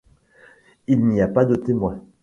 Il n'y a pas de témoin.